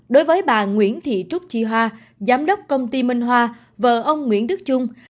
đối với bà nguyễn thị trúc chi hoa giám đốc công ty minh hoa vợ ông nguyễn đức trung